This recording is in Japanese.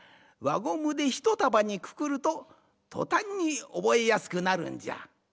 ゴムでひとたばにくくるととたんにおぼえやすくなるんじゃ。